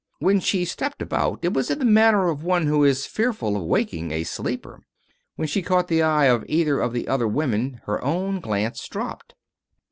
When she stepped about it was in the manner of one who is fearful of wakening a sleeper. When she caught the eyes of either of the other women her own glance dropped.